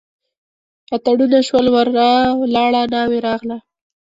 اتڼونه شول ورا لاړه ناوې راغله.